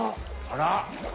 あら！